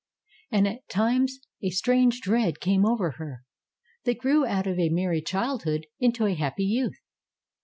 And at times a strange dread came over her. They grew out of a merry childhood into a happy youth.